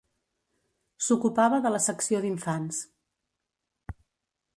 S'ocupava de la secció d'infants.